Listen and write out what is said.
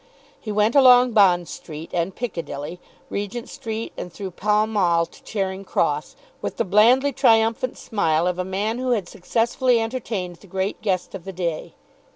He went along Bond Street and Piccadilly, Regent Street and through Pall Mall to Charing Cross, with the blandly triumphant smile of a man who had successfully entertained the great guest of the day.